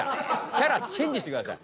キャラチェンジしてください。